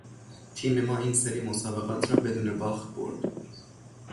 تیم ما این سری مسابقات را بدون باخت برد.